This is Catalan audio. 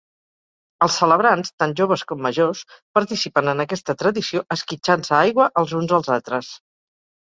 Els celebrants, tant joves com majors, participen en aquesta tradició esquitxant-se aigua els uns als altres.